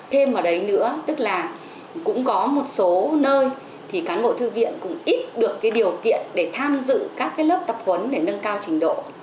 thêm vào đấy nữa tức là cũng có một số nơi thì cán bộ thư viện cũng ít được cái điều kiện để tham dự các lớp tập huấn để nâng cao trình độ